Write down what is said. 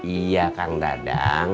iya kang dadang